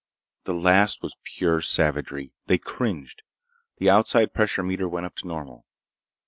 The last was pure savagery. They cringed. The outside pressure meter went up to normal.